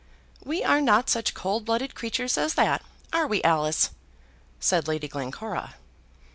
"We are not such cold blooded creatures as that, are we, Alice?" said Lady Glencora.